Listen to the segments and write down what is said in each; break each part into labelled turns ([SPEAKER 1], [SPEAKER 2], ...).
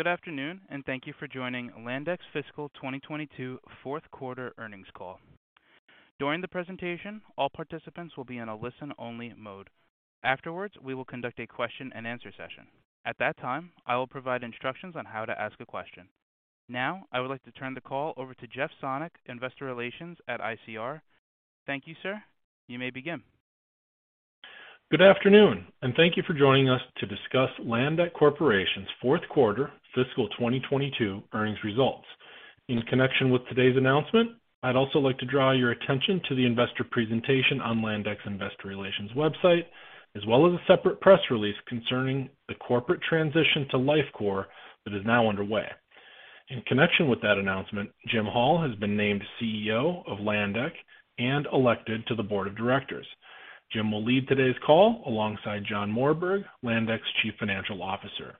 [SPEAKER 1] Good afternoon and thank you for joining Landec's Fiscal 2022 Fourth Quarter Earnings Call. During the presentation, all participants will be in a listen-only mode. Afterwards, we will conduct a question-and-answer session. At that time, I will provide instructions on how to ask a question. Now, I would like to turn the call over to Jeff Sonnek, Investor Relations at ICR. Thank you, sir. You may begin.
[SPEAKER 2] Good afternoon and thank you for joining us to discuss Landec Corporation's Fourth Quarter Fiscal 2022 Earnings Results. In connection with today's announcement, I'd also like to draw your attention to the investor presentation on Landec's Investor Relations website, as well as a separate press release concerning the corporate transition to Lifecore that is now underway. In connection with that announcement, Jim Hall has been named CEO of Landec and elected to the board of directors. Jim will lead today's call alongside John Morberg, Landec's Chief Financial Officer.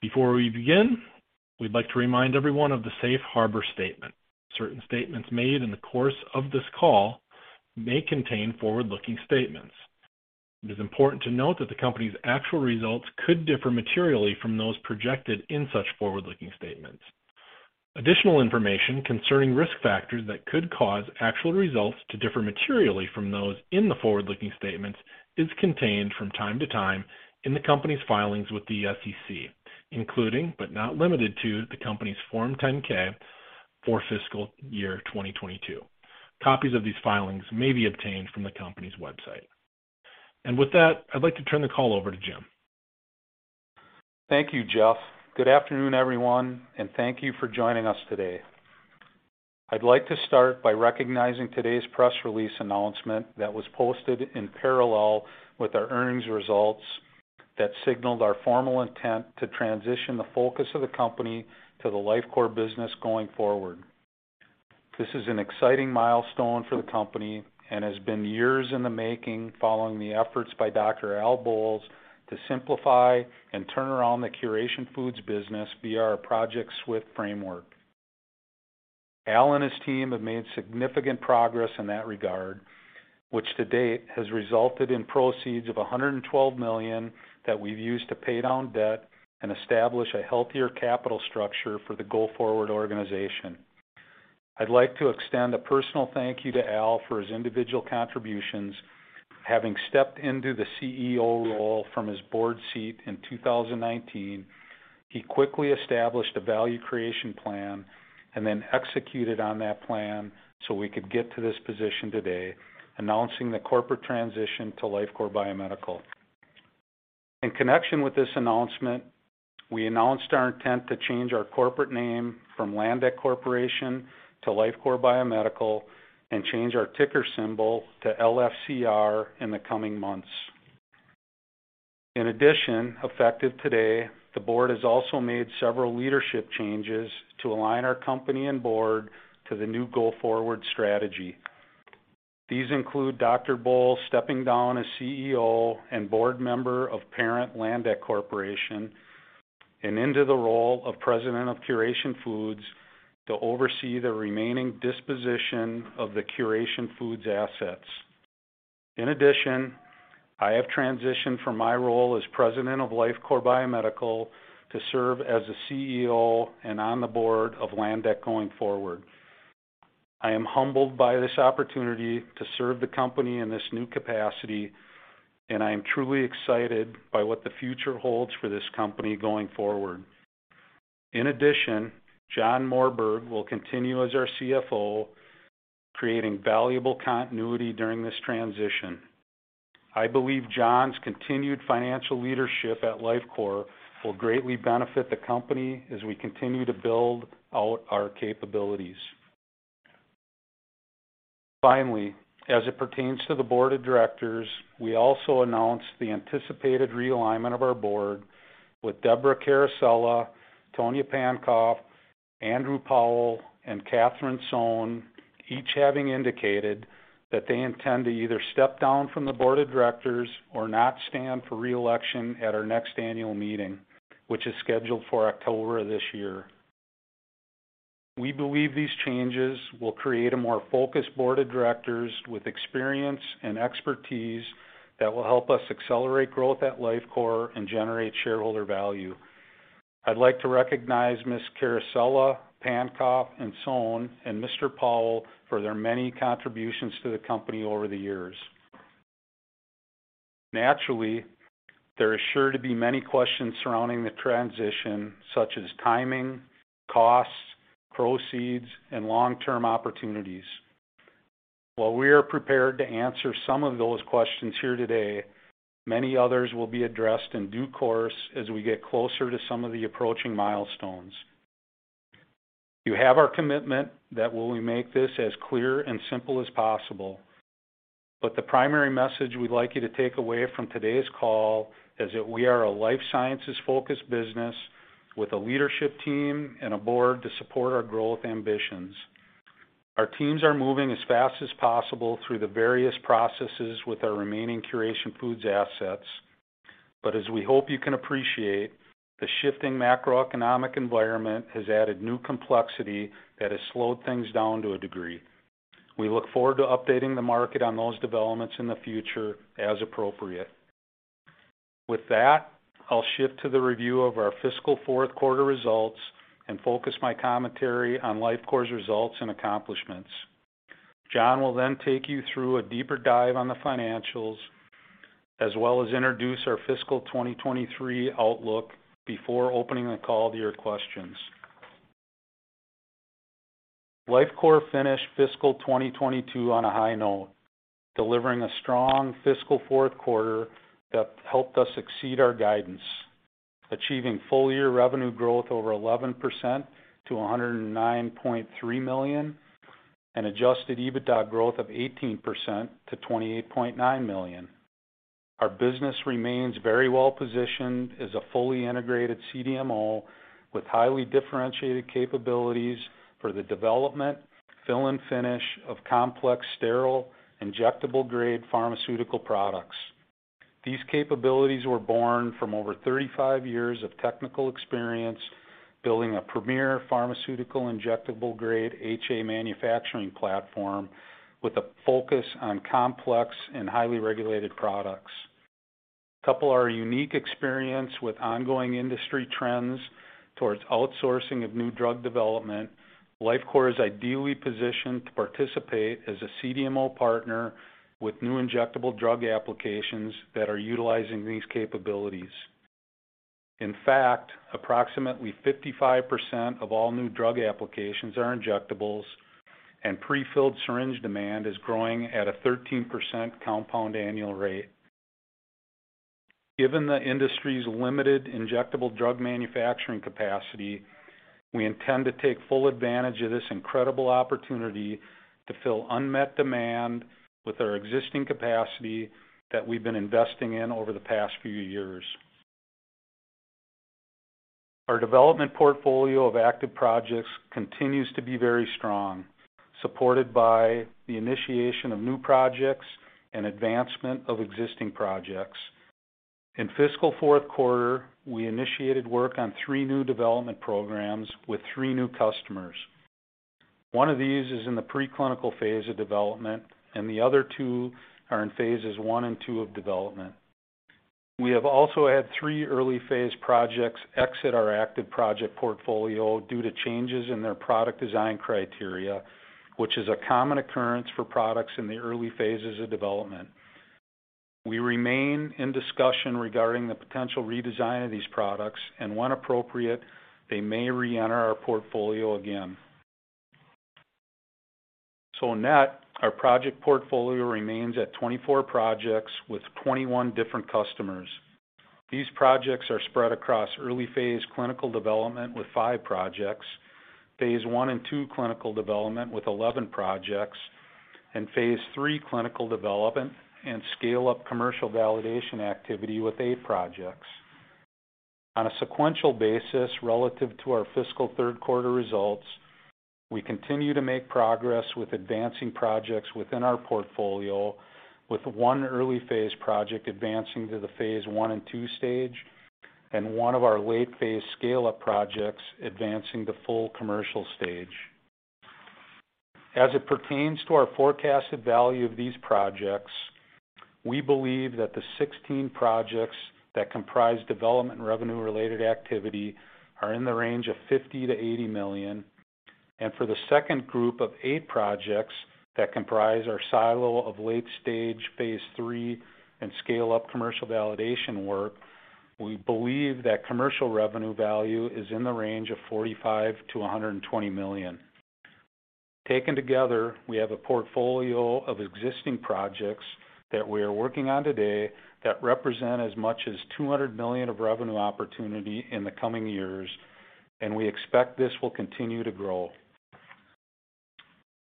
[SPEAKER 2] Before we begin, we'd like to remind everyone of the Safe Harbor statement. Certain statements made in the course of this call may contain forward-looking statements. It is important to note that the company's actual results could differ materially from those projected in such forward-looking statements. Additional information concerning risk factors that could cause actual results to differ materially from those in the forward-looking statements is contained from time to time in the company's filings with the SEC, including, but not limited to, the company's Form 10-K for fiscal year 2022. Copies of these filings may be obtained from the company's website. With that, I'd like to turn the call over to Jim.
[SPEAKER 3] Thank you, Jeff. Good afternoon, everyone, and thank you for joining us today. I'd like to start by recognizing today's press release announcement that was posted in parallel with our earnings results that signaled our formal intent to transition the focus of the company to the Lifecore business going forward. This is an exciting milestone for the company and has been years in the making following the efforts by Dr. Al Bolles to simplify and turn around the Curation Foods business via our Project SWIFT framework. Al and his team have made significant progress in that regard, which to date has resulted in proceeds of $112 million that we've used to pay down debt and establish a healthier capital structure for the go-forward organization. I'd like to extend a personal thank you to Al for his individual contributions. Having stepped into the CEO role from his board seat in 2019, he quickly established a value creation plan and then executed on that plan so we could get to this position today, announcing the corporate transition to Lifecore Biomedical. In connection with this announcement, we announced our intent to change our corporate name from Landec Corporation to Lifecore Biomedical and change our ticker symbol to LFCR in the coming months. In addition, effective today, the board has also made several leadership changes to align our company and board to the new go-forward strategy. These include Dr. Bolles stepping down as CEO and board member of parent Landec Corporation and into the role of President of Curation Foods to oversee the remaining disposition of the Curation Foods assets. In addition, I have transitioned from my role as President of Lifecore Biomedical to serve as the CEO and on the board of Landec going forward. I am humbled by this opportunity to serve the company in this new capacity, and I am truly excited by what the future holds for this company going forward. In addition, John Morberg will continue as our CFO, creating valuable continuity during this transition. I believe John's continued financial leadership at Lifecore will greatly benefit the company as we continue to build out our capabilities. Finally, as it pertains to the board of directors, we also announced the anticipated realignment of our board with Deborah Carosella, Tonia Pankopf, Andrew Powell, and Catherine Sohn, each having indicated that they intend to either step down from the board of directors or not stand for re-election at our next annual meeting, which is scheduled for October of this year. We believe these changes will create a more focused board of directors with experience and expertise that will help us accelerate growth at Lifecore and generate shareholder value. I'd like to recognize Ms. Carosella, Pankopf, and Sohn and Mr. Powell for their many contributions to the company over the years. Naturally, there is sure to be many questions surrounding the transition, such as timing, costs, proceeds, and long-term opportunities. While we are prepared to answer some of those questions here today, many others will be addressed in due course as we get closer to some of the approaching milestones. You have our commitment that we will make this as clear and simple as possible. The primary message we'd like you to take away from today's call is that we are a life sciences-focused business with a leadership team and a board to support our growth ambitions. Our teams are moving as fast as possible through the various processes with our remaining Curation Foods assets. As we hope you can appreciate, the shifting macroeconomic environment has added new complexity that has slowed things down to a degree. We look forward to updating the market on those developments in the future as appropriate. With that, I'll shift to the review of our fiscal fourth quarter results and focus my commentary on Lifecore's results and accomplishments. John will then take you through a deeper dive on the financials, as well as introduce our fiscal 2023 outlook before opening the call to your questions. Lifecore finished fiscal 2022 on a high note, delivering a strong fiscal fourth quarter that helped us exceed our guidance, achieving full year revenue growth over 11% to $109.3 million, and adjusted EBITDA growth of 18% to $28.9 million. Our business remains very well positioned as a fully integrated CDMO with highly differentiated capabilities for the development, fill and finish of complex, sterile, injectable grade pharmaceutical products. These capabilities were born from over 35 years of technical experience, building a premier pharmaceutical injectable-grade HA manufacturing platform with a focus on complex and highly regulated products. Couple our unique experience with ongoing industry trends towards outsourcing of new drug development, Lifecore is ideally positioned to participate as a CDMO partner with new injectable drug applications that are utilizing these capabilities. In fact, approximately 55% of all new drug applications are injectables, and prefilled syringe demand is growing at a 13% compound annual rate. Given the industry's limited injectable drug manufacturing capacity, we intend to take full advantage of this incredible opportunity to fill unmet demand with our existing capacity that we've been investing in over the past few years. Our development portfolio of active projects continues to be very strong, supported by the initiation of new projects and advancement of existing projects. In fiscal fourth quarter, we initiated work on three new development programs with three new customers. One of these is in the pre-clinical phase of development, and the other two are in phases I and II of development. We have also had three early phase projects exit our active project portfolio due to changes in their product design criteria, which is a common occurrence for products in the early phases of development. We remain in discussion regarding the potential redesign of these products, and when appropriate, they may re-enter our portfolio again. In net, our project portfolio remains at 24 projects with 21 different customers. These projects are spread across early phase clinical development with five projects, phase I and II clinical developments with 11 projects, and phase III clinical development and scale up commercial validation activity with eight projects. On a sequential basis relative to our fiscal third quarter results, we continue to make progress with advancing projects within our portfolio with one early phase project advancing to the phase I and II stage, and one of our late phase scale-up projects advancing to full commercial stage. As it pertains to our forecasted value of these projects, we believe that the 16 projects that comprise development revenue related activity are in the range of $50 million-$80 million. For the second group of eight projects that comprise our silo of late-stage phase III and scale up commercial validation work, we believe that commercial revenue value is in the range of $45 million-$120 million. Taken together, we have a portfolio of existing projects that we are working on today that represent as much as $2 million of revenue opportunity in the coming years, and we expect this will continue to grow.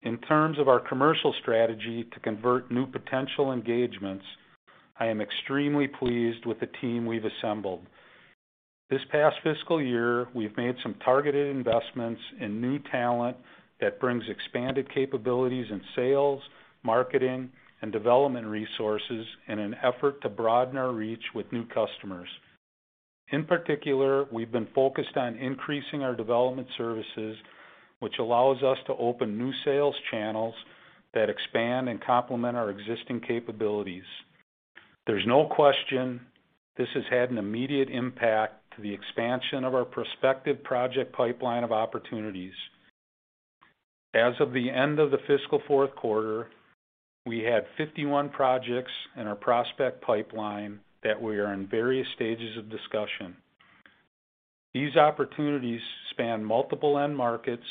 [SPEAKER 3] In terms of our commercial strategy to convert new potential engagements, I am extremely pleased with the team we've assembled. This past fiscal year, we've made some targeted investments in new talent that brings expanded capabilities in sales, marketing, and development resources in an effort to broaden our reach with new customers. In particular, we've been focused on increasing our development services, which allows us to open new sales channels that expand and complement our existing capabilities. There's no question this has had an immediate impact to the expansion of our prospective project pipeline of opportunities. As of the end of the fiscal fourth quarter, we had 51 projects in our prospect pipeline that we are in various stages of discussion. These opportunities span multiple end markets,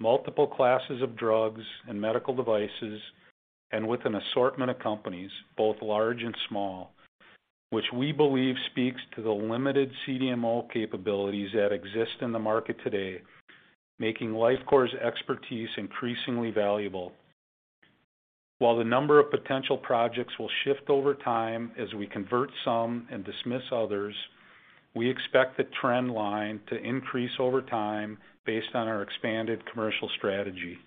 [SPEAKER 3] multiple classes of drugs and medical devices, and with an assortment of companies, both large and small, which we believe speaks to the limited CDMO capabilities that exist in the market today, making Lifecore's expertise increasingly valuable. While the number of potential projects will shift over time as we convert some and dismiss others, we expect the trend line to increase over time based on our expanded commercial strategy.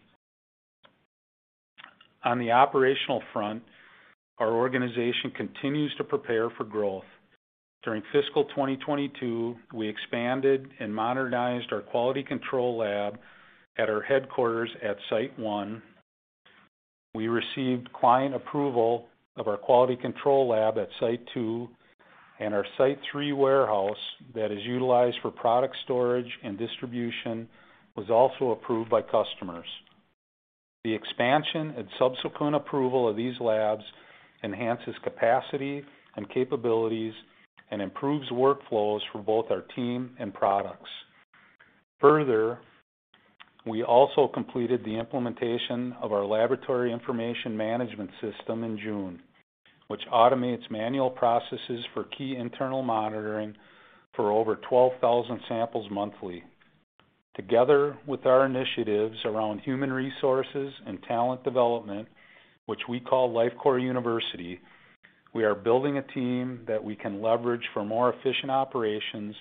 [SPEAKER 3] On the operational front, our organization continues to prepare for growth. During fiscal 2022, we expanded and modernized our quality control lab at our headquarters at Site One. We received client approval of our quality control lab at Site Two and our Site Three warehouse that is utilized for product storage and distribution was also approved by customers. The expansion and subsequent approval of these labs enhance capacity and capabilities and improves workflows for both our team and products. Further, we also completed the implementation of our laboratory information management system in June, which automates manual processes for key internal monitoring for over 12,000 samples monthly. Together with our initiatives around human resources and talent development, which we call Lifecore University, we are building a team that we can leverage for more efficient operations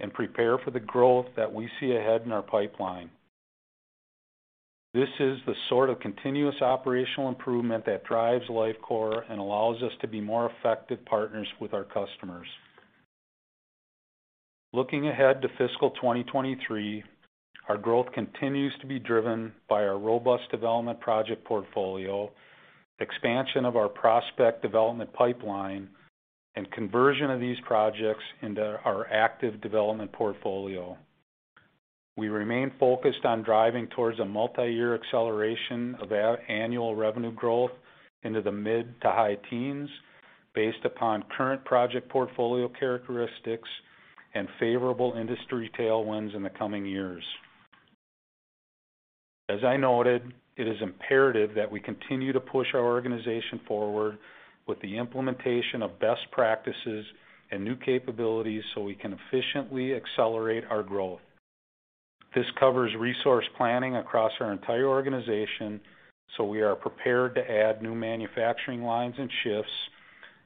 [SPEAKER 3] and prepare for the growth that we see ahead in our pipeline. This is the sort of continuous operational improvement that drives Lifecore and allows us to be more effective partners with our customers. Looking ahead to fiscal 2023, our growth continues to be driven by our robust development project portfolio, expansion of our prospect development pipeline and conversion of these projects into our active development portfolio. We remain focused on driving towards a multi-year acceleration of annual revenue growth into the mid- to high teens based upon current project portfolio characteristics and favorable industry tailwinds in the coming years. As I noted, it is imperative that we continue to push our organization forward with the implementation of best practices and new capabilities so we can efficiently accelerate our growth. This covers resource planning across our entire organization, so we are prepared to add new manufacturing lines and shifts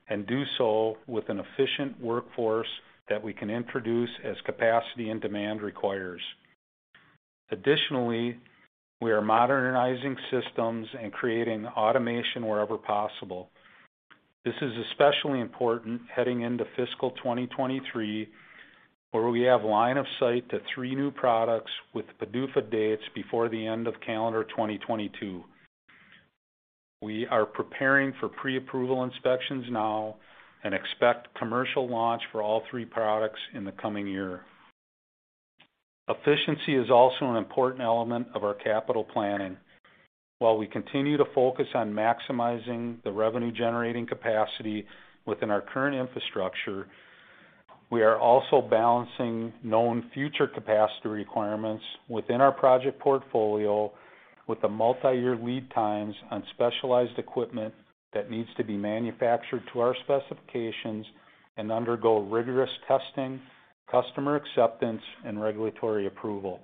[SPEAKER 3] and do so with an efficient workforce that we can introduce as capacity and demand requires. Additionally, we are modernizing systems and creating automation wherever possible. This is especially important heading into fiscal 2023, where we have line of sight to three new products with PDUFA dates before the end of calendar 2022. We are preparing for pre-approval inspections now and expect commercial launch for all three products in the coming year. Efficiency is also an important element of our capital planning. While we continue to focus on maximizing the revenue generating capacity within our current infrastructure, we are also balancing known future capacity requirements within our project portfolio with the multi-year lead times on specialized equipment that needs to be manufactured to our specifications and undergo rigorous testing, customer acceptance and regulatory approval.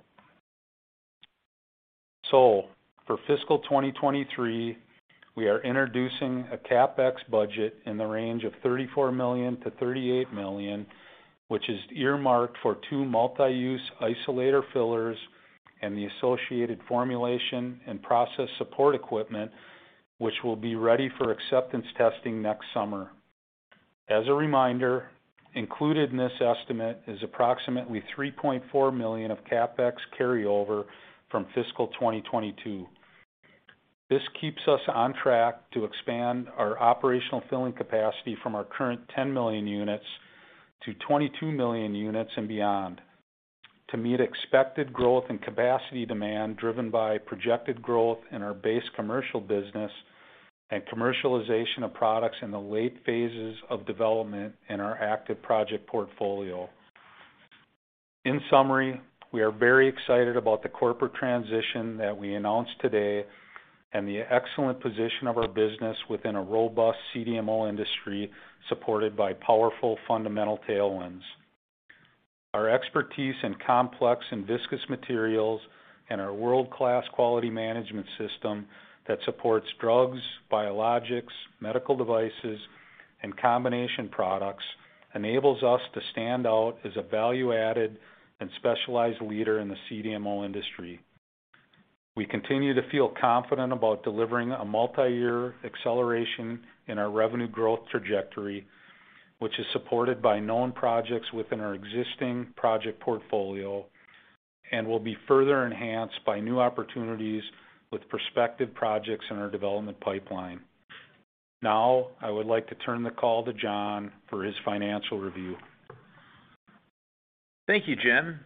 [SPEAKER 3] For fiscal 2023, we are introducing a CapEx budget in the range of $34 million-$38 million, which is earmarked for two multi-use isolator fillers and the associated formulation and process support equipment, which will be ready for acceptance testing next summer. As a reminder, included in this estimate is approximately $3.4 million of CapEx carryover from fiscal 2022. This keeps us on track to expand our operational filling capacity from our current 10 million units-22 million units and beyond to meet expected growth and capacity demand driven by projected growth in our base commercial business and commercialization of products in the late phases of development in our active project portfolio. In summary, we are very excited about the corporate transition that we announced today and the excellent position of our business within a robust CDMO industry supported by powerful fundamental tailwinds. Our expertise in complex and viscous materials and our world-class quality management system that supports drugs, biologics, medical devices and combination products enables us to stand out as a value-added and specialized leader in the CDMO industry. We continue to feel confident about delivering a multi-year acceleration in our revenue growth trajectory, which is supported by known projects within our existing project portfolio and will be further enhanced by new opportunities with prospective projects in our development pipeline. Now I would like to turn the call to John for his financial review.
[SPEAKER 4] Thank you, Jim.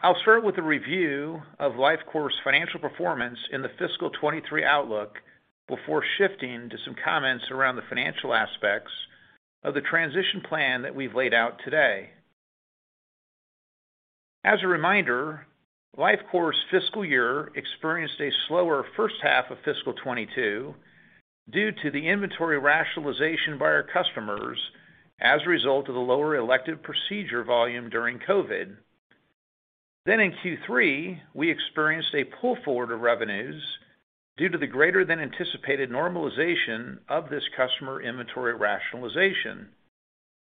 [SPEAKER 4] I'll start with a review of Lifecore's financial performance in the fiscal 2023 outlook before shifting to some comments around the financial aspects of the transition plan that we've laid out today. As a reminder, Lifecore's fiscal year experienced a slower first half of fiscal 2022 due to the inventory rationalization by our customers as a result of the lower elective procedure volume during COVID. In Q3, we experienced a pull forward of revenues due to the greater than anticipated normalization of this customer inventory rationalization.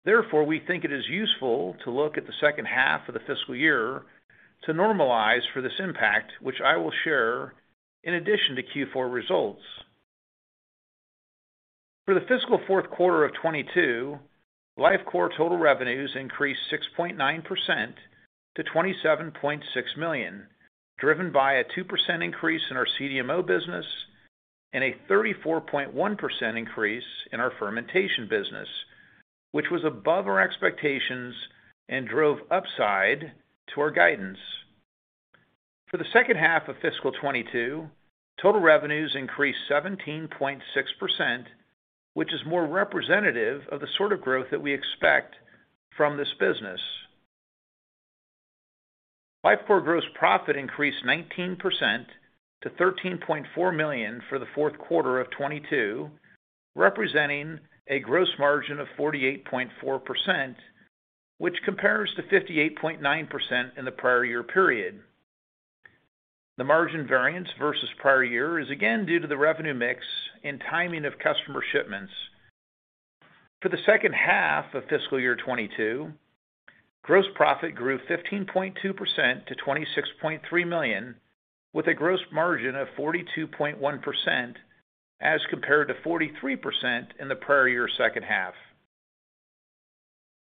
[SPEAKER 4] Therefore, we think it is useful to look at the second half of the fiscal year to normalize for this impact, which I will share in addition to Q4 results. For the fiscal fourth quarter of 2022, Lifecore total revenues increased 6.9% to $27.6 million, driven by a 2% increase in our CDMO business and a 34.1% increase in our fermentation business, which was above our expectations and drove upside to our guidance. For the second half of fiscal 2022, total revenues increased 17.6%, which is more representative of the sort of growth that we expect from this business. Lifecore gross profit increased 19% to $13.4 million for the fourth quarter of 2022, representing a gross margin of 48.4%, which compares to 58.9% in the prior year period. The margin variance versus prior year is again due to the revenue mix and timing of customer shipments. For the second half of fiscal year 2022, gross profit grew 15.2% to $26.3 million with a gross margin of 42.1% as compared to 43% in the prior year second half.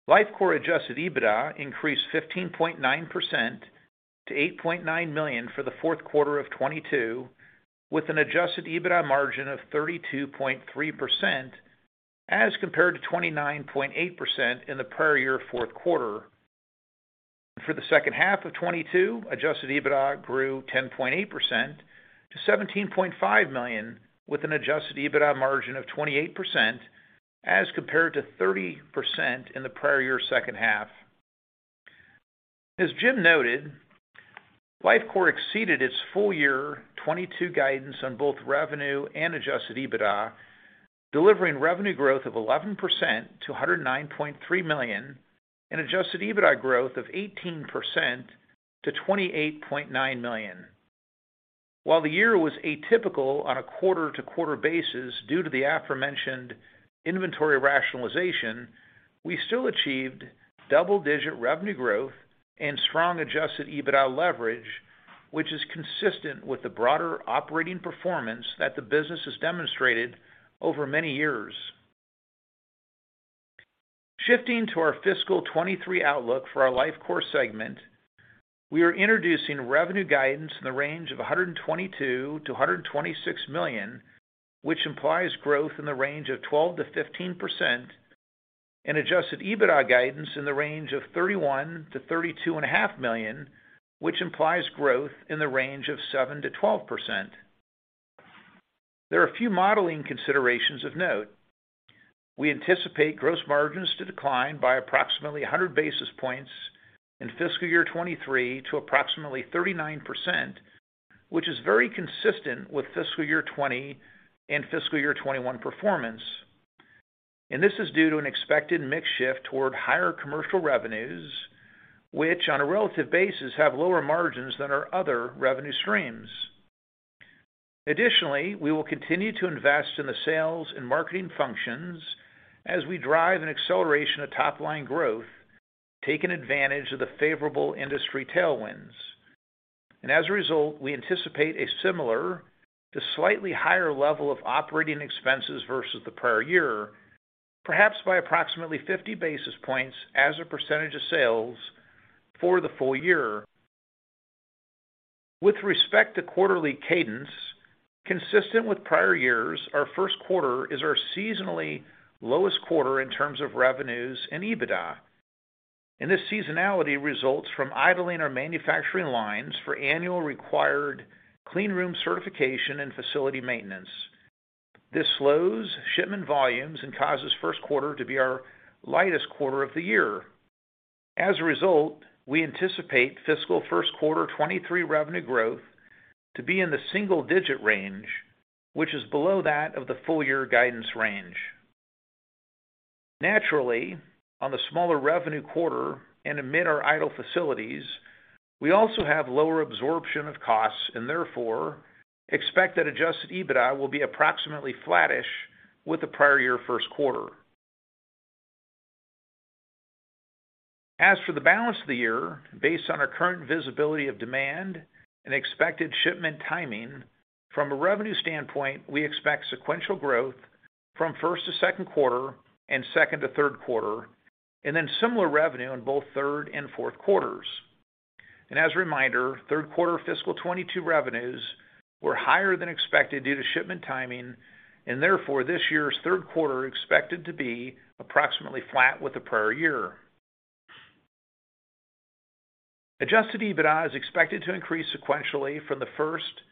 [SPEAKER 4] Lifecore adjusted EBITDA increased 15.9% to $8.9 million for the fourth quarter of 2022, with an adjusted EBITDA margin of 32.3% as compared to 29.8% in the prior year fourth quarter. For the second half of 2022, adjusted EBITDA grew 10.8% to $17.5 million with an adjusted EBITDA margin of 28% as compared to 30% in the prior year second half. As Jim noted, Lifecore exceeded its full year 2022 guidance on both revenue and adjusted EBITDA, delivering revenue growth of 11% to $109.3 million and adjusted EBITDA growth of 18% to $28.9 million. While the year was atypical on a quarter-to-quarter basis due to the aforementioned inventory rationalization, we still achieved double-digit revenue growth and strong adjusted EBITDA leverage, which is consistent with the broader operating performance that the business has demonstrated over many years. Shifting to our fiscal 2023 outlook for our Lifecore segment, we are introducing revenue guidance in the range of $122 million-$126 million, which implies growth in the range of 12%-15% and adjusted EBITDA guidance in the range of $31 million-$32.5 million, which implies growth in the range of 7%-12%. There are a few modeling considerations of note. We anticipate gross margins to decline by approximately 100 basis points in fiscal year 2023 to approximately 39%, which is very consistent with fiscal year 2020 and fiscal year 2021 performance. This is due to an expected mix shift toward higher commercial revenues, which on a relative basis have lower margins than our other revenue streams. Additionally, we will continue to invest in the sales and marketing functions as we drive an acceleration of top-line growth, taking advantage of the favorable industry tailwinds. As a result, we anticipate a similar to slightly higher level of operating expenses versus the prior year, perhaps by approximately 50 basis points as a percentage of sales for the full year. With respect to quarterly cadence, consistent with prior years, our first quarter is our seasonally lowest quarter in terms of revenues and EBITDA. This seasonality results from idling our manufacturing lines for annual required clean room certification and facility maintenance. This slows shipment volumes and causes first quarter to be our lightest quarter of the year. As a result, we anticipate fiscal first quarter 2023 revenue growth to be in the single digit range, which is below that of the full year guidance range. Naturally, on the smaller revenue quarter and amid our idle facilities, we also have lower absorption of costs and therefore expect that adjusted EBITDA will be approximately flattish with the prior year first quarter. As for the balance of the year, based on our current visibility of demand and expected shipment timing, from a revenue standpoint, we expect sequential growth from first to second quarter and second to third quarter, and then similar revenue in both third and fourth quarters. As a reminder, third quarter fiscal 2022 revenues were higher than expected due to shipment timing, and therefore this year's third quarter expected to be approximately flat with the prior year. Adjusted EBITDA is expected to increase sequentially from the first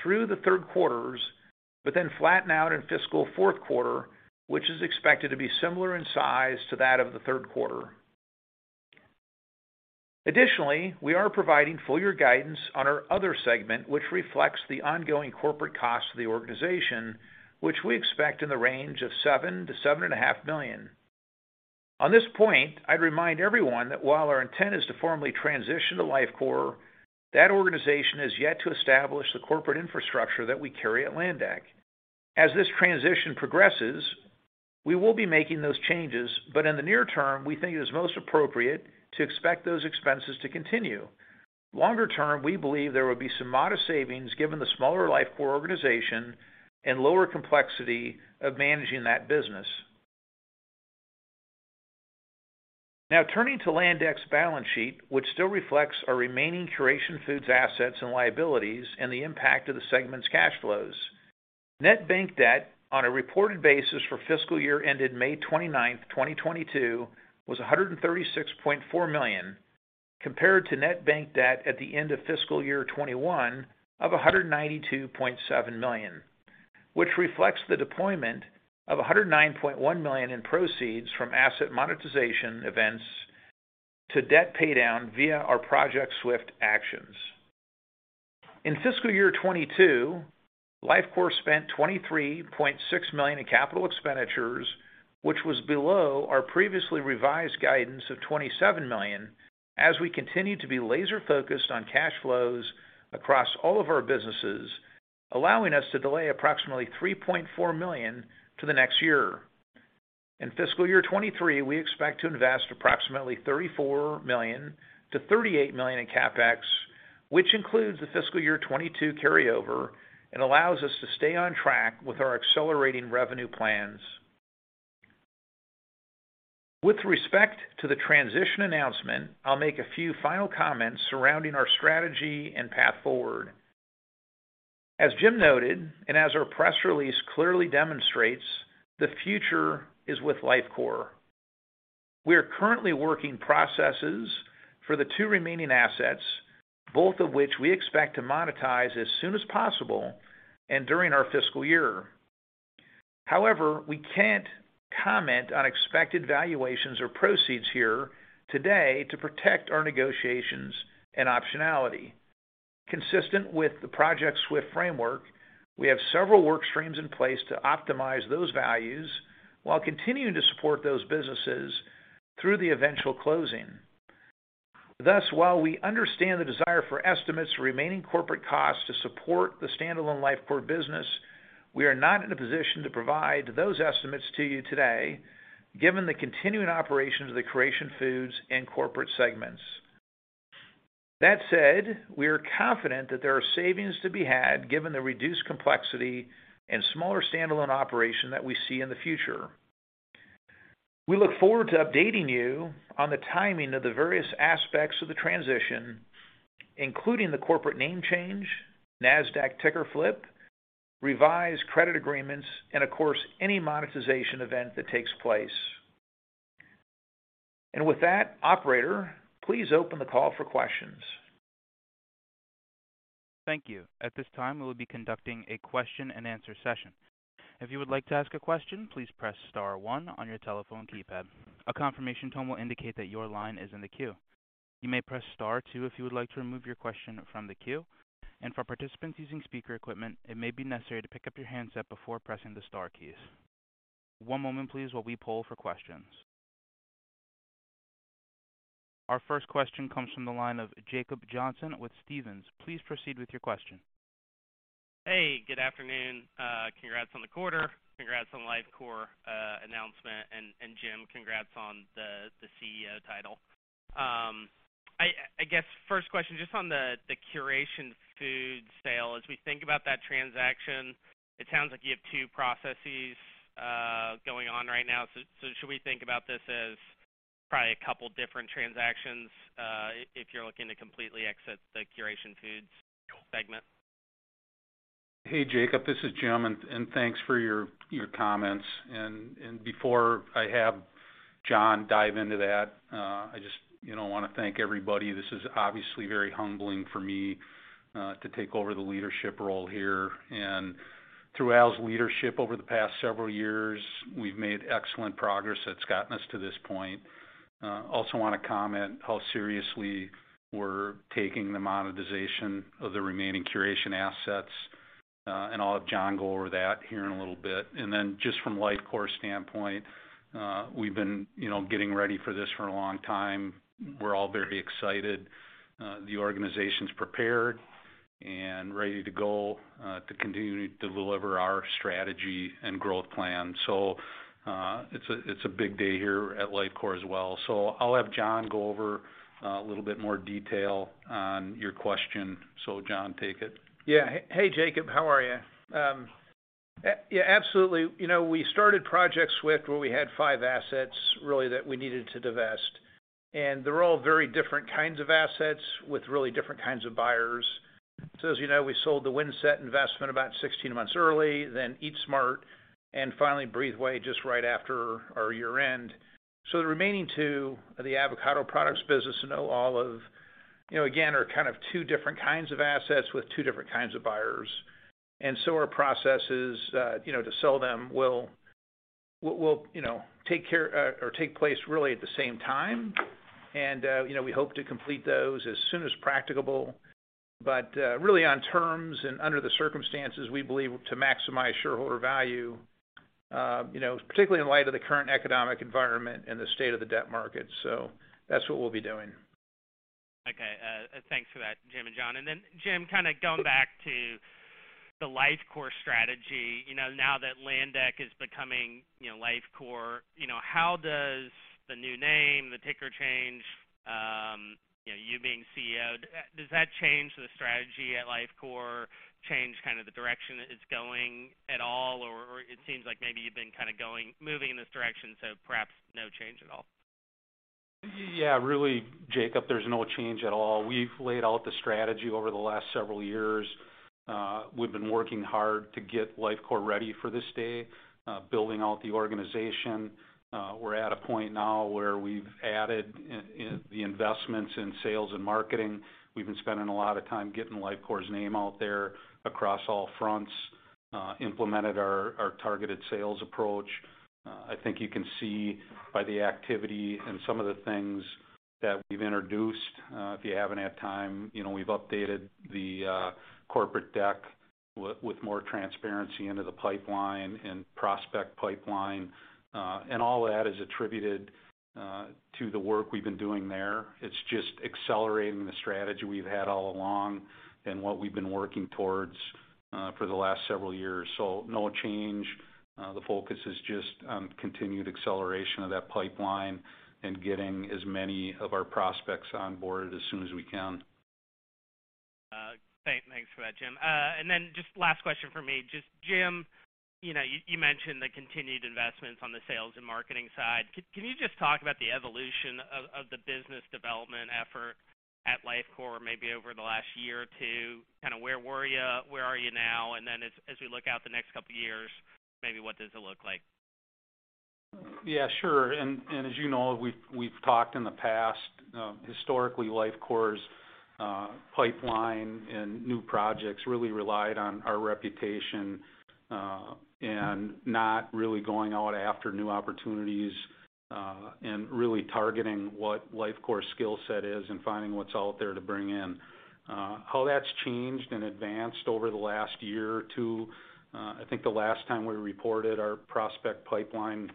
[SPEAKER 4] through the third quarters, but then flatten out in fiscal fourth quarter, which is expected to be similar in size to that of the third quarter. Additionally, we are providing full year guidance on our other segment, which reflects the ongoing corporate cost of the organization, which we expect in the range of $7 million-$7.5 million. On this point, I'd remind everyone that while our intent is to formally transition to Lifecore, that organization has yet to establish the corporate infrastructure that we carry at Landec. As this transition progresses, we will be making those changes, but in the near term, we think it is most appropriate to expect those expenses to continue. Longer term, we believe there will be some modest savings given the smaller Lifecore organization and lower complexity of managing that business. Now turning to Landec's balance sheet, which still reflects our remaining Curation Foods assets and liabilities and the impact of the segment's cash flows. Net bank debt on a reported basis for fiscal year ended May 29, 2022, was $136.4 million, compared to net bank debt at the end of fiscal year 2021 of $192.7 million, which reflects the deployment of $109.1 million in proceeds from asset monetization events to debt paydown via our Project SWIFT actions. In fiscal year 2022, Lifecore spent $23.6 million in capital expenditures, which was below our previously revised guidance of $27 million as we continue to be laser focused on cash flows across all of our businesses, allowing us to delay approximately $3.4 million to the next year. In fiscal year 2023, we expect to invest approximately $34 million-$38 million in CapEx, which includes the fiscal year 2022 carryover and allows us to stay on track with our accelerating revenue plans. With respect to the transition announcement, I'll make a few final comments surrounding our strategy and path forward. As Jim noted, and as our press release clearly demonstrates, the future is with Lifecore. We are currently working on processes for the two remaining assets, both of which we expect to monetize as soon as possible and during our fiscal year. However, we can't comment on expected valuations or proceeds here today to protect our negotiations and optionality. Consistent with the Project SWIFT framework, we have several work streams in place to optimize those values while continuing to support those businesses through the eventual closing. Thus, while we understand the desire for estimates remaining corporate costs to support the standalone Lifecore business, we are not in a position to provide those estimates to you today given the continuing operations of the Curation Foods and corporate segments. That said, we are confident that there are savings to be had given the reduced complexity and smaller standalone operation that we see in the future. We look forward to updating you on the timing of the various aspects of the transition, including the corporate name change, NASDAQ ticker flip, revised credit agreements and of course, any monetization event that takes place. With that, operator, please open the call for questions.
[SPEAKER 1] Thank you. At this time, we will be conducting a question-and-answer session. If you would like to ask a question, please press star one on your telephone keypad. A confirmation tone will indicate that your line is in the queue. You may press star two if you would like to remove your question from the queue. For participants using speaker equipment, it may be necessary to pick up your handset before pressing the star keys. One moment please while we poll for questions. Our first question comes from the line of Jacob Johnson with Stephens. Please proceed with your question.
[SPEAKER 5] Hey, good afternoon. Congrats on the quarter. Congrats on Lifecore announcement. Jim Hall, congrats on the CEO title. I guess first question just on the Curation Foods sale. As we think about that transaction, it sounds like you have two processes going on right now. Should we think about this as probably a couple different transactions if you're looking to completely exit the Curation Foods segment?
[SPEAKER 3] Hey, Jacob, this is Jim, thanks for your comments. Before I have John dive into that, I just, you know, wanna thank everybody. This is obviously very humbling for me to take over the leadership role here. Through Al's leadership over the past several years, we've made excellent progress that's gotten us to this point. Also, wanna comment how seriously we're taking the monetization of the remaining Curation assets. I'll have John go over that here in a little bit. Then just from Lifecore standpoint, we've been, you know, getting ready for this for a long time. We're all very excited. The organization's prepared and ready to go to continue to deliver our strategy and growth plan. It's a big day here at Lifecore as well. I'll have John go over a little bit more detail on your question. John, take it.
[SPEAKER 4] Yeah. Hey, Jacob, how are you? Yeah, absolutely. You know, we started Project SWIFT where we had five assets really that we needed to divest, and they're all very different kinds of assets with really different kinds of buyers. As you know, we sold the Windset investment about 16 months ago, then Eat Smart, and finally BreatheWay just right after our year-end. The remaining two are the Avocado Products business and O Olive Oil & Vinegar, you know, again, are kind of two different kinds of assets with two different kinds of buyers. Our processes, you know, to sell them will, you know, take place really at the same time. You know, we hope to complete those as soon as practicable, but really on terms and under the circumstances we believe to maximize shareholder value, you know, particularly in light of the current economic environment and the state of the debt market. That's what we'll be doing.
[SPEAKER 5] Okay. Thanks for that, Jim and John. Jim, kind of going back to the Lifecore strategy, you know, now that Landec is becoming, you know, Lifecore, you know, how does the new name, the ticker change, you know, you being CEO, does that change the strategy at Lifecore? Change kind of the direction it's going at all? It seems like maybe you've been kind of going, moving in this direction, so perhaps no change at all.
[SPEAKER 3] Yeah. Really, Jacob, there's no change at all. We've laid out the strategy over the last several years. We've been working hard to get Lifecore ready for this day, building out the organization. We're at a point now where we've added the investments in sales and marketing. We've been spending a lot of time getting Lifecore's name out there across all fronts, implemented our targeted sales approach. I think you can see by the activity and some of the things that we've introduced, if you haven't had time, you know, we've updated the corporate deck with more transparency into the pipeline and prospect pipeline. And all that is attributed to the work we've been doing there. It's just accelerating the strategy we've had all along and what we've been working towards for the last several years. No change. The focus is just continued acceleration of that pipeline and getting as many of our prospects on board as soon as we can.
[SPEAKER 5] Thanks for that, Jim. Just last question for me. Just, Jim, you know, you mentioned the continued investments on the sales and marketing side. Can you just talk about the evolution of the business development effort at Lifecore, maybe over the last year or two? Kinda where were you, where are you now? As we look out the next couple of years, maybe what does it look like?
[SPEAKER 3] Yeah, sure. As you know, we've talked in the past, historically, Lifecore's pipeline and new projects really relied on our reputation, and not really going out after new opportunities, and really targeting what Lifecore's skill set is and finding what's out there to bring in. How that's changed and advanced over the last year or two, I think the last time we reported our prospect pipeline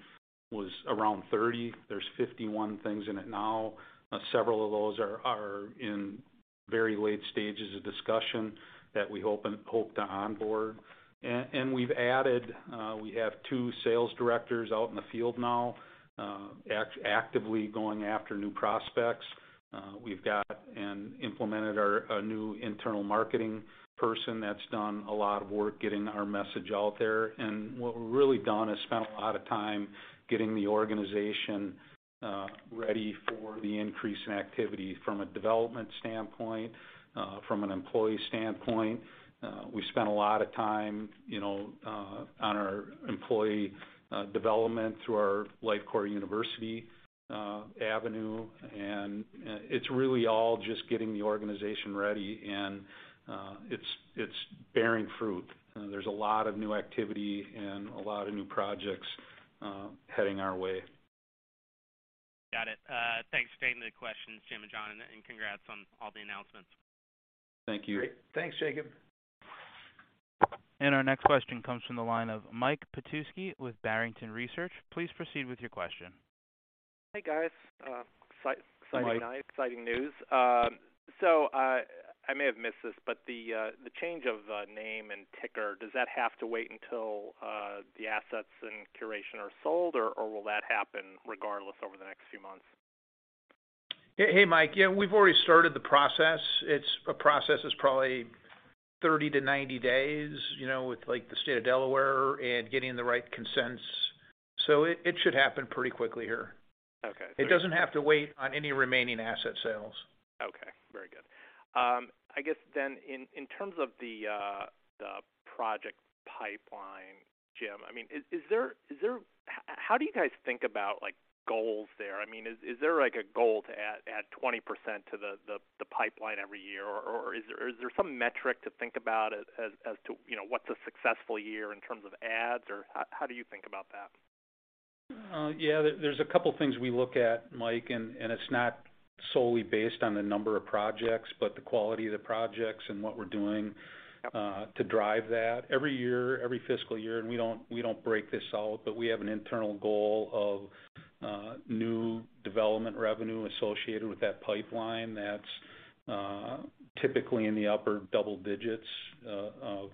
[SPEAKER 3] was around 30. There's 51 things in it now. Several of those are in very late stages of discussion that we hope to onboard. We've added, we have two sales directors out in the field now, actively going after new prospects. We've implemented a new internal marketing person that's done a lot of work getting our message out there. What we've really done is spent a lot of time getting the organization ready for the increase in activity from a development standpoint, from an employee standpoint. We spent a lot of time, you know, on our employee development through our Lifecore University Avenue. It's really all just getting the organization ready, and it's bearing fruit. There's a lot of new activity and a lot of new projects heading our way.
[SPEAKER 5] Got it. Thanks for taking the questions, Jim and John, and congrats on all the announcements.
[SPEAKER 3] Thank you.
[SPEAKER 4] Great. Thanks, Jacob.
[SPEAKER 1] Our next question comes from the line of Mike Petusky with Barrington Research. Please proceed with your question.
[SPEAKER 6] Hey, guys.
[SPEAKER 3] Mike.
[SPEAKER 6] Exciting night, exciting news. I may have missed this, but the change of name and ticker, does that have to wait until the assets and Curation are sold, or will that happen regardless over the next few months?
[SPEAKER 4] Hey, Mike. Yeah, we've already started the process. It's a process that's probably 30-90 days, you know, with like the State of Delaware and getting the right consents. It should happen pretty quickly here.
[SPEAKER 6] Okay.
[SPEAKER 4] It doesn't have to wait on any remaining asset sales.
[SPEAKER 6] Okay, very good. I guess then in terms of the project pipeline, Jim, I mean, is there How do you guys think about, like, goals there? I mean, is there like a goal to add 20% to the pipeline every year? Or is there some metric to think about as to, you know, what's a successful year in terms of adds? Or how do you think about that?
[SPEAKER 3] Yeah, there's a couple of things we look at, Mike. It's not solely based on the number of projects, but the quality of the projects and what we're doing to drive that. Every year, every fiscal year, we don't break this out, but we have an internal goal of new development revenue associated with that pipeline that's typically in the upper double digits of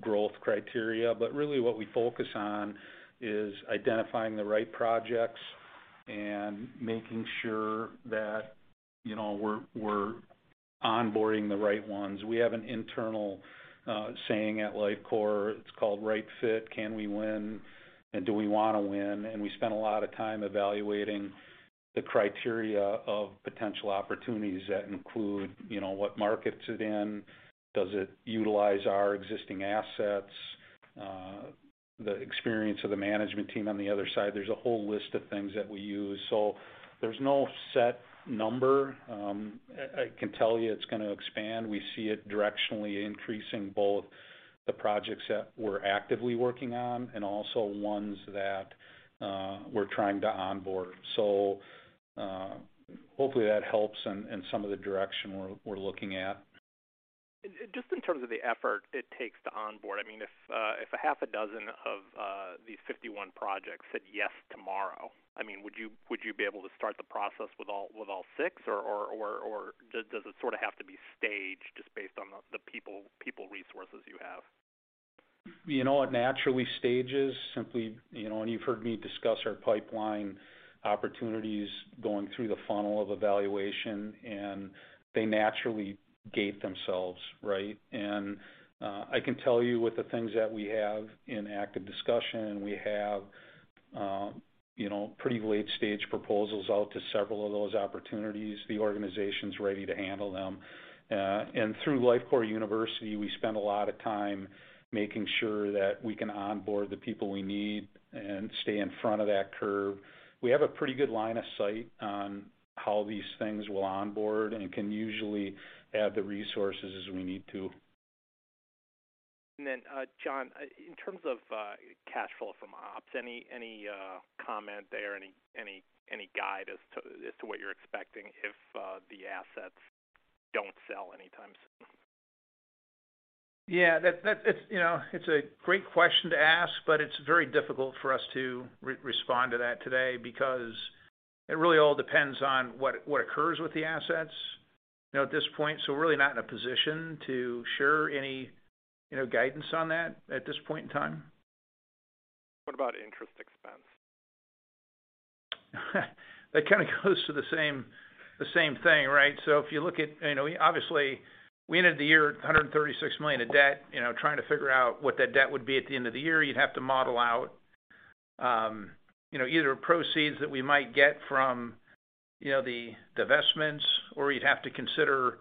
[SPEAKER 3] growth criteria. Really what we focus on is identifying the right projects and making sure that, you know, we're onboarding the right ones. We have an internal saying at Lifecore, it's called right fit. Can we win and do we wanna win? We spend a lot of time evaluating the criteria of potential opportunities that include, you know, what market's it in? Does it utilize our existing assets? The experience of the management team on the other side. There's a whole list of things that we use. There's no set number. I can tell you it's gonna expand. We see it directionally increasing both the projects that we're actively working on and also ones that we're trying to onboard. Hopefully that helps in some of the direction we're looking at.
[SPEAKER 6] Just in terms of the effort it takes to onboard, I mean, if a half a dozen of these 51 projects said yes tomorrow, I mean, would you be able to start the process with all six? Or does it sorta have to be staged just based on the people resources you have?
[SPEAKER 3] You know, it naturally stages simply, you know, and you've heard me discuss our pipeline opportunities going through the funnel of evaluation, and they naturally gate themselves, right? I can tell you with the things that we have in active discussion, we have, you know, pretty late stage proposals out to several of those opportunities. The organization's ready to handle them. Through Lifecore University, we spend a lot of time making sure that we can onboard the people we need and stay in front of that curve. We have a pretty good line of sight on how these things will onboard and can usually add the resources we need to.
[SPEAKER 6] John Morberg, in terms of cash flow from ops, any comment there? Any guide as to what you're expecting if the assets don't sell anytime soon?
[SPEAKER 4] Yeah, that's, you know, it's a great question to ask, but it's very difficult for us to respond to that today because it really all depends on what occurs with the assets, you know, at this point. We're really not in a position to share any, you know, guidance on that at this point in time.
[SPEAKER 6] What about interest expense?
[SPEAKER 4] That kind of goes to the same thing, right? If you look at, you know. Obviously, we ended the year at $136 million of debt. You know, trying to figure out what that debt would be at the end of the year, you'd have to model out, you know, either proceeds that we might get from, you know, the divestments, or you'd have to consider,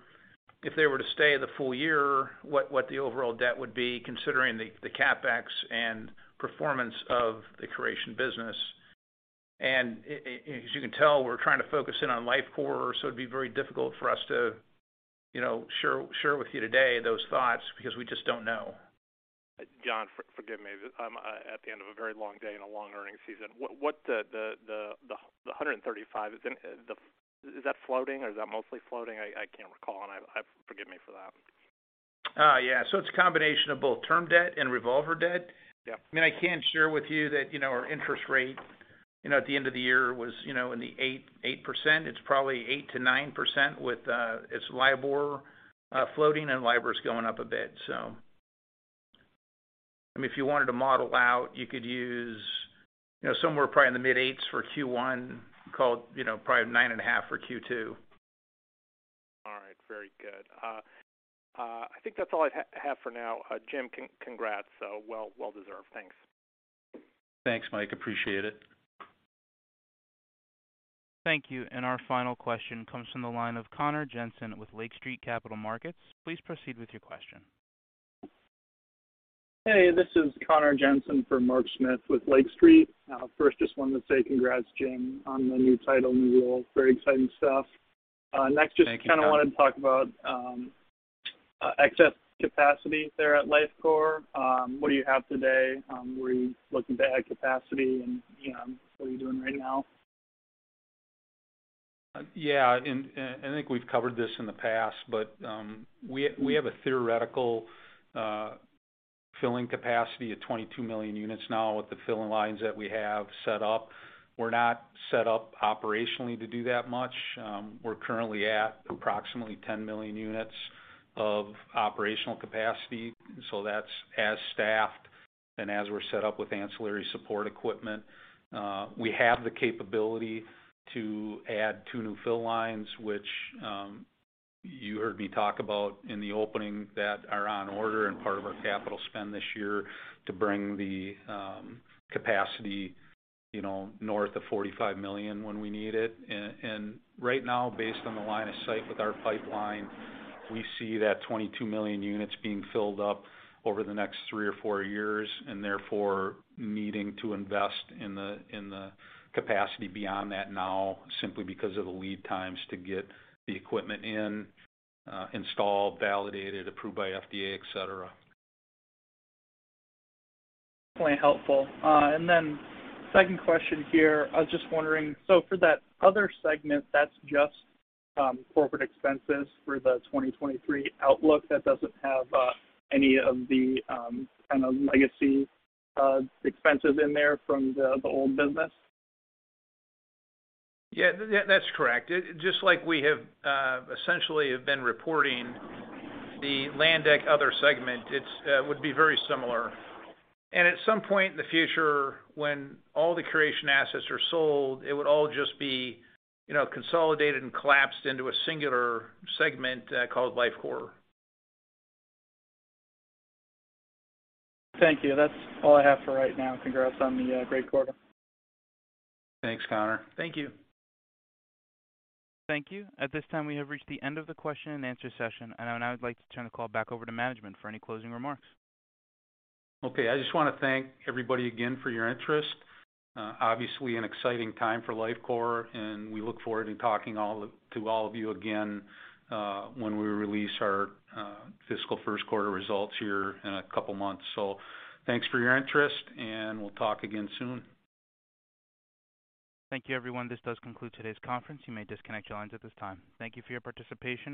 [SPEAKER 4] if they were to stay the full year, what the overall debt would be considering the CapEx and performance of the Curation business. As you can tell, we're trying to focus in on Lifecore, it'd be very difficult for us to, you know, share with you today those thoughts because we just don't know.
[SPEAKER 6] John, forgive me. I'm at the end of a very long day and a long earnings season. What the 135, then. Is that floating or is that mostly floating? I can't recall, and I forgive me for that.
[SPEAKER 4] It's a combination of both term debt and revolver debt.
[SPEAKER 6] Yeah.
[SPEAKER 3] I mean, I can share with you that, you know, our interest rate, you know, at the end of the year was, you know, 8%. It's probably 8%-9% with LIBOR floating, and LIBOR's going up a bit. I mean, if you wanted to model out, you could use, you know, somewhere probably in the mid-eights for Q1, call it, you know, probably 9.5% for Q2.
[SPEAKER 6] All right, very good. I think that's all I have for now. Jim, congrats. Well deserved. Thanks.
[SPEAKER 3] Thanks, Mike. Appreciate it.
[SPEAKER 1] Thank you. Our final question comes from the line of Connor Jensen with Lake Street Capital Markets. Please proceed with your question.
[SPEAKER 7] Hey, this is Connor Jensen for Mark Smith with Lake Street. First, just wanted to say congrats, Jim, on the new title, new role. Very exciting stuff.
[SPEAKER 3] Thank you, Connor.
[SPEAKER 7] Next, just kinda wanted to talk about excess capacity there at Lifecore. What do you have today? Were you looking to add capacity and, you know, what are you doing right now?
[SPEAKER 3] I think we've covered this in the past, but we have a theoretical filling capacity of 22 million units now with the filling lines that we have set up. We're not set up operationally to do that much. We're currently at approximately 10 million units of operational capacity, so that's as staffed and as we're set up with ancillary support equipment. We have the capability to add two new fill lines, which you heard me talk about in the opening that are on order and part of our capital spend this year to bring the capacity, you know, north of 45 million when we need it. Right now, based on the line of sight with our pipeline, we see that 22 million units being filled up over the next three or four years, and therefore needing to invest in the capacity beyond that now, simply because of the lead times to get the equipment in, installed, validated, approved by FDA, et cetera.
[SPEAKER 7] Definitely helpful. Second question here. I was just wondering, so for that other segment, that's just corporate expenses for the 2023 outlook. That doesn't have any of the kind of legacy expenses in there from the old business?
[SPEAKER 4] Yeah, that's correct. Just like we have essentially been reporting the Landec other segment, it would be very similar. At some point in the future, when all the Curation assets are sold, it would all just be, you know, consolidated and collapsed into a singular segment called Lifecore.
[SPEAKER 7] Thank you. That's all I have for right now. Congrats on the great quarter.
[SPEAKER 3] Thanks, Connor.
[SPEAKER 7] Thank you.
[SPEAKER 1] Thank you. At this time, we have reached the end of the question-and-answer session, and I would like to turn the call back over to management for any closing remarks.
[SPEAKER 3] Okay. I just wanna thank everybody again for your interest. Obviously, an exciting time for Lifecore, and we look forward to talking to all of you again, when we release our fiscal first quarter results here in a couple months. Thanks for your interest, and we'll talk again soon.
[SPEAKER 1] Thank you, everyone. This does conclude today's conference. You may disconnect your lines at this time. Thank you for your participation.